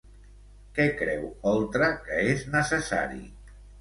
Què creu Oltra que és necessari?